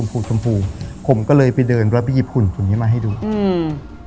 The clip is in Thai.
ผมสะบัยออกสีแดงส์สมผมก็เลยไปเดินระบีบขุนเนี้ยมาให้ดูผมสะบัยออกสีแดงสม